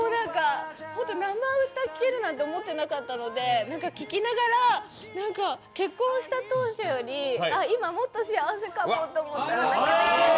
生歌聴けるなんて思ってなかったので、聴きながら、結婚した当時より今、もっと幸せかもと思って。